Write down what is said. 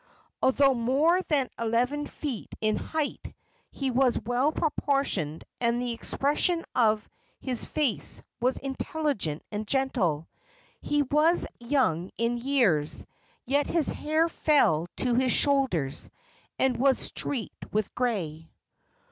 Although more than eleven feet in height, he was well proportioned, and the expression of his face was intelligent and gentle. He was young in years, yet his hair fell to his shoulders and was streaked with gray.